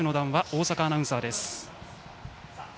大坂アナウンサーです。